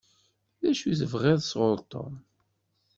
D acu i tebɣiḍ sɣur Tom?